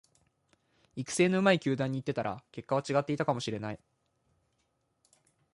育成の上手い球団に行ってたら結果は違っていたかもしれない